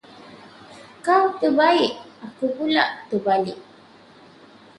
Kau terbaik! aku pulak terbalik.